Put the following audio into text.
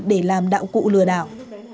để làm đạo cụ lừa đảo